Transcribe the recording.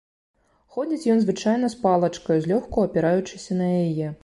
Ходзіць ён звычайна з палачкаю, злёгку апіраючыся на яе.